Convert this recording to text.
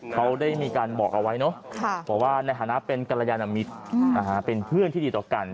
เขาได้มีการบอกเอาไว้เนอะบอกว่าในฐานะเป็นกรยานมิตรเป็นเพื่อนที่ดีต่อกัน